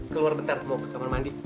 keluar bentar mau ke kamar mandi